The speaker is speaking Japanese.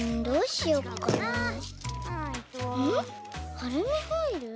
アルミホイル？